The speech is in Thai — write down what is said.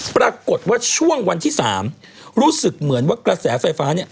ปรากฏว่าช่วงวันที่๓รู้สึกเหมือนว่ากระแสไฟฟ้าเนี่ย